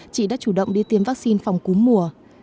chị đã chủ động đi tiêm vắc xin phòng cúm mùa